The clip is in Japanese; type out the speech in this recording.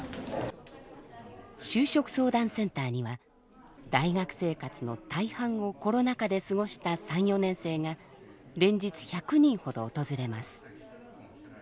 就職相談センターには大学生活の大半をコロナ禍で過ごした３４年生が連日１００人ほど訪れます。